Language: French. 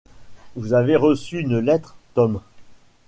Vous avez reçu une lettre, Tom?